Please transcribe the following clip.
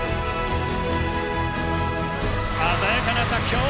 鮮やかな着氷。